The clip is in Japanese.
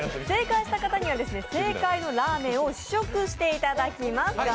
正解した方には正解のラーメンを試食していただきます。